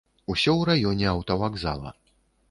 Усё ў раёне аўтавакзала.